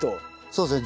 そうですね